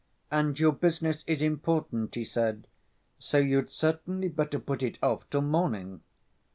"And your business is important," he said, "so you'd certainly better put it off till morning."